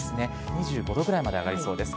２５度くらいまで上がりそうです。